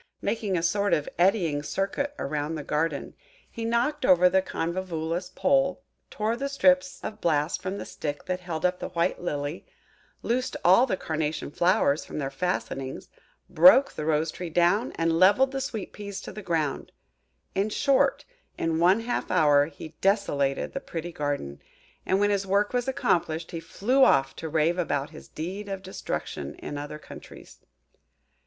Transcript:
Making a sort of eddying circuit round the garden, he knocked over the Convolvulus pole, tore the strips of bast from the stick that held up the white Lily, loosed all the Carnation flowers from their fastenings, broke the Rose tree down, and levelled the Sweet peas to the ground. In short, in one half hour he desolated the pretty garden; and when his work was accomplished, he flew off to rave about his deed of destruction in other countries.